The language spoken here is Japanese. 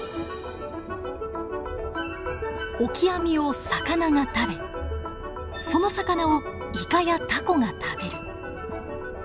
オキアミを魚が食べその魚をイカやタコが食べる。